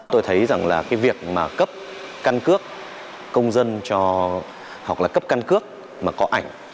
tôi thấy rằng là cái việc mà cấp căn cước công dân cho hoặc là cấp căn cước mà có ảnh